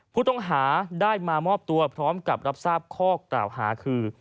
ผู้ต้องหาได้มามอบตัวพร้อมกับรับทราบข้อกล่าวหาคือ